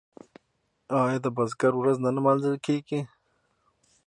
آیا د بزګر ورځ نه لمانځل کیږي؟